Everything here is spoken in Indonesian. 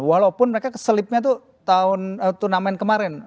walaupun mereka selipnya tuh turnamen kemarin